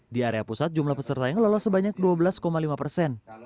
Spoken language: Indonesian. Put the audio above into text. di area pusat jumlah peserta yang lolos sebanyak dua belas lima persen